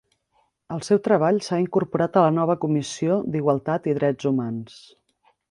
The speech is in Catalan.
El seu treball s'ha incorporat a la nova Comissió d'Igualtat i Drets Humans.